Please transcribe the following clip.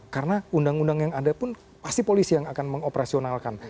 karena undang undang yang ada pun pasti polisi yang akan mengoperasionalkan